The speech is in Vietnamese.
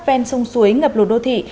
ven sông suối ngập lột đô thị